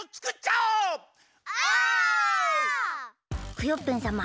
クヨッペンさま